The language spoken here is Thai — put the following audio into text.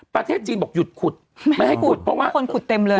ประเทศจีนบอกหยุดขุดไม่ให้ขุดเพราะว่าคนขุดเต็มเลย